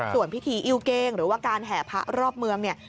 ส่วนพิธีอิ้วเก้งหรือว่าการแห่พระรอบเมืองเนี่ย